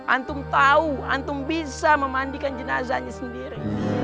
antum tahu antum bisa memandikan jenazahnya sendiri